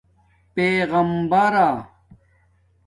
پیغمبرا